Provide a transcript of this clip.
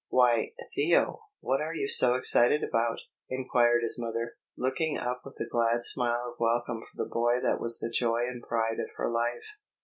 "Why, Theo, what are you so excited about?" inquired his mother, looking up with a glad smile of welcome for the boy that was the joy and pride of her life.